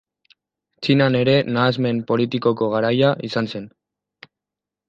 Txinan ere nahasmen politikoko garaia izan zen.